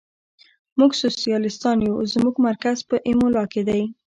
موږ سوسیالیستان یو، زموږ مرکز په ایمولا کې دی.